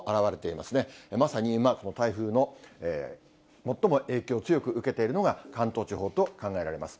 まさに今、この台風の最も影響、強く受けているのが関東地方と考えられます。